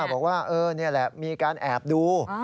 บอกว่านี่แหละมีการแอบดู